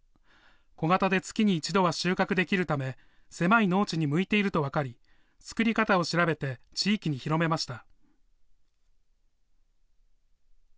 小型で月に一度は収穫できるため、狭い農地に向いていると分かり、作り方を調べて地域に広めました。